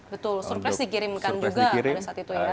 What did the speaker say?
betul surprise dikirimkan juga pada saat itu ya